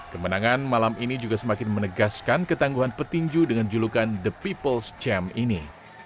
kemenangan malam ini juga semakin menegaskan ketangguhan petinju dengan julukan the peoples ⁇ champ ini